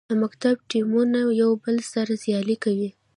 د مکتب ټیمونه یو بل سره سیالي کوي.